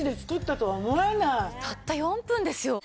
たった４分ですよ。